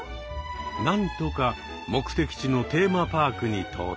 なんとか目的地のテーマパークに到着。